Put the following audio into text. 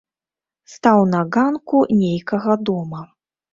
Стаў на ганку нейкага дома.